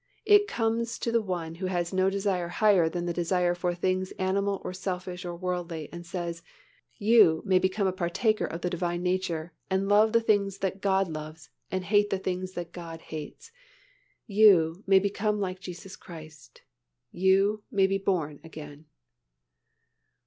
It comes to the one who has no desire higher than the desire for things animal or selfish or worldly and says, "You may become a partaker of the Divine nature, and love the things that God loves and hate the things that God hates. You may become like Jesus Christ. You may be born again."